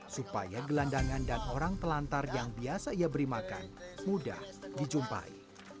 supaya gelandangan dan orang telantar yang biasa ia beri makan mudah dijumpai